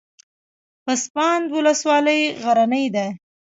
پسابند ولسوالۍ غرنۍ ده؟